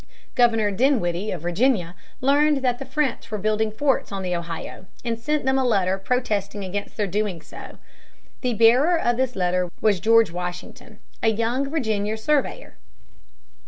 Governor Dinwiddie of Virginia learned that the French were building forts on the Ohio, and sent them a letter protesting against their so doing. The bearer of this letter was George Washington, a young Virginia surveyor.